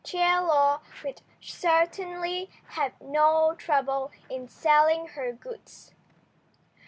Chie Lo would certainly have no trouble in selling her goods.